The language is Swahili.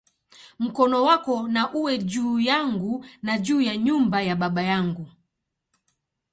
Mkono wako na uwe juu yangu, na juu ya nyumba ya baba yangu"!